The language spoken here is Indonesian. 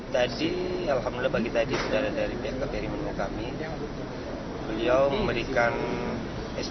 kami mempersiapkan tadi alhamdulillah bagi tadi sudah ada dari bkbri menunggu kami